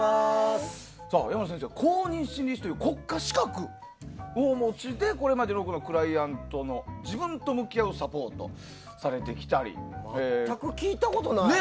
山名先生、公認心理師という国家資格をお持ちでこれまで多くのクライアントの自分と向き合うサポートを全く聞いたことないね。